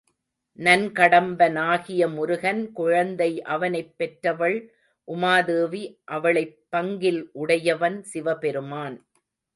நன்கடம்பனாகிய முருகன் குழந்தை அவனைப் பெற்றவள் உமாதேவி அவளைப் பங்கில் உடையவன் சிவபெருமான்.